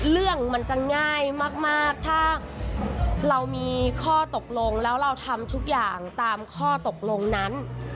เรื่องมันจะง่ายมากถ้าเรามีข้อตกลงแล้วเราทำทุกอย่างตามข้อตกลงนั้น